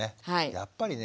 やっぱりね